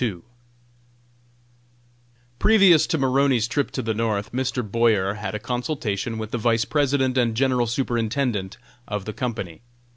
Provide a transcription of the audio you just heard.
_ Previous to Maroney's trip to the North, Mr. Boyer held a consultation with the Vice President and General Superintendent of the company.